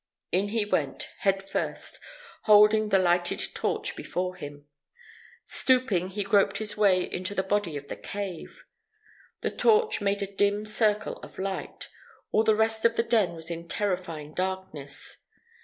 In he went, headfirst, holding the lighted torch before him. Stooping, he groped his way into the body of the cave. The torch made a dim circle of light; all the rest of the den was in terrifying darkness.